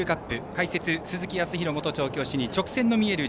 解説は鈴木康弘元調教師に直線の見える